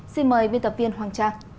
xin mời biên tập viên hoàng trang